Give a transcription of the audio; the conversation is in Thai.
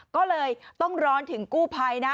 ก็เลยต้องร้อนถึงกู้ภัยนะ